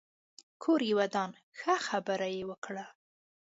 کور يې ودان ښه خبره يې وکړه